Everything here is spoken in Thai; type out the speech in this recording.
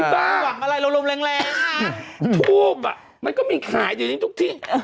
บ้าหวังอะไรลมแรงค่ะทูปอะมันก็มีขายอยู่อยู่ทุกที่